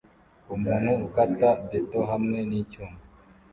Umuntu ukata beto hamwe nicyuma